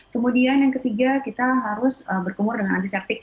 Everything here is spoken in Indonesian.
kemudian yang ketiga kita harus berkumur dengan antiseptik